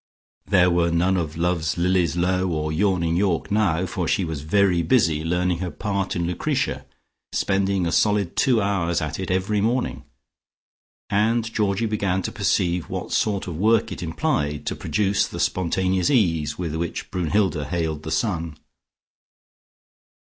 There were none of love's lilies low or yawning York now, for she was very busy learning her part in Lucretia, spending a solid two hours at it every morning, and Georgie began to perceive what sort of work it implied to produce the spontaneous ease with which Brunnhilde hailed the sun.